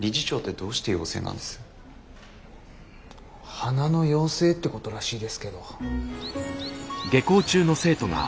花の妖精ってことらしいですけど。